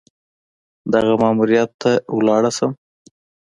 دغه ماموریت ته ولاړه شم.